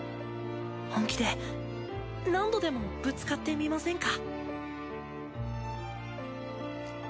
本気で何度でもぶつかってみませんか？